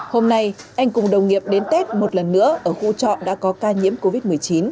hôm nay anh cùng đồng nghiệp đến tết một lần nữa ở khu trọ đã có ca nhiễm covid một mươi chín